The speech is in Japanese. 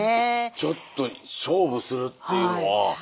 ちょっと勝負するっていうのは。